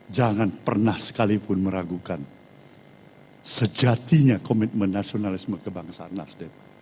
jangan pernah sekalipun meragukan sejatinya komitmen nasionalisme kebangsaan nasdem